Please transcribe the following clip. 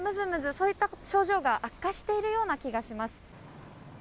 そういった症状が悪化しているような気がします。